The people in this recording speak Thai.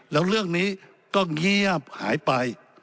แล้วเรื่องนี้ก็เงียบหายไป